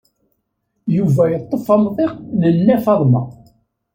Yuba yeṭṭef amḍiq n Nna Faḍma.